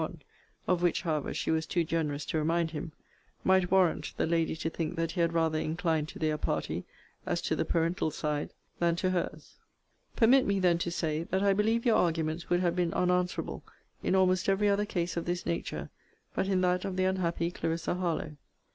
(of which, however, she was too generous to remind him) might warrant the lady to think that he had rather inclined to their party, as to the parental side, than to her's. Permit me, then, to say, That I believe your arguments would have been unanswerable in almost every other case of this nature, but in that of the unhappy Clarissa Harlowe.